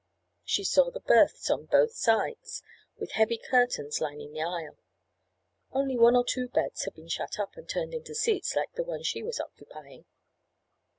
She saw the berths on both sides, with heavy curtains lining the aisle. Only one or two beds had been shut up and turned into seats like the one she was occupying.